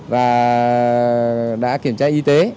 và đã kiểm tra y tế